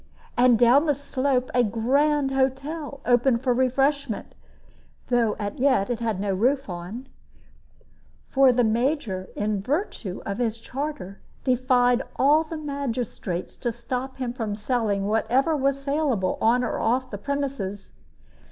And down the slope a grand hotel, open for refreshment, though as yet it had no roof on; for the Major, in virtue of his charter, defied all the magistrates to stop him from selling whatever was salable on or off the premises.